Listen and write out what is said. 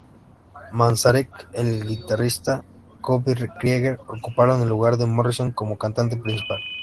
Manzarek y el guitarrista Robby Krieger ocuparon el lugar de Morrison como cantante principal.